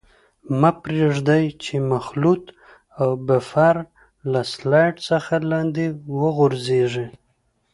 مه پرېږدئ چې مخلوط او بفر له سلایډ څخه لاندې وغورځيږي.